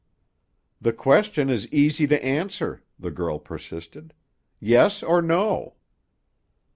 "The question is easy to answer," the girl persisted. "Yes or no."